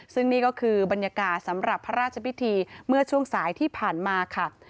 ซึ่งนี่ก็คือบรรยากาศสำหรับพระราชพิธีเมื่อช่วงสายที่ผ่านมาค่ะ